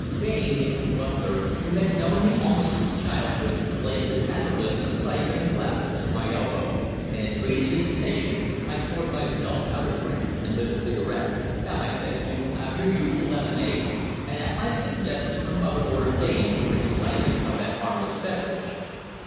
Bain, the old butler, who had known me almost since childhood, placed the tantalus, a syphon and glasses near my elbow, and at Phrida's invitation I poured myself out a drink and lit a cigarette. "Come," I said, "you will have your usual lemonade"; and at my suggestion her mother ordered Bain to bring a syphon of that harmless beverage.